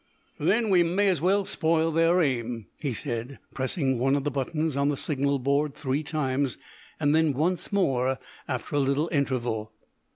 "Then we may as well spoil their aim," he said, pressing one of the buttons on the signal board three times, and then once more after a little interval.